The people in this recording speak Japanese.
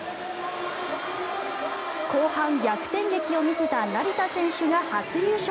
後半、逆転劇を見せた成田選手が初優勝。